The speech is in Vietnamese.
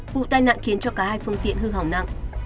vụ tai nạn khiến cho cả hai phương tiện hư hỏng nặng